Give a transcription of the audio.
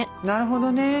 なるほどね